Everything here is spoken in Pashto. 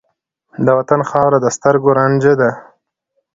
د وطن خاوره د سترګو رانجه ده.